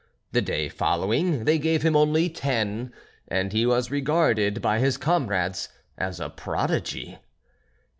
The day following they gave him only ten, and he was regarded by his comrades as a prodigy.